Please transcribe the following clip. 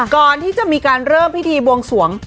ก่อนที่จะมีการเริ่มพิธีบวงสวง